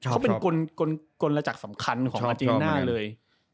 เขาเป็นกลลจากสำคัญของอาจริงหน้าเลย